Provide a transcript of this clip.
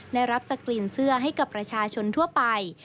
ได้รับสกรีนเสื้อให้กับประชาชนทั่วไป